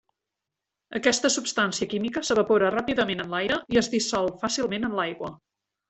Aquesta substància química s'evapora ràpidament en l'aire i es dissol fàcilment en l'aigua.